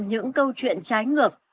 những câu chuyện trái ngược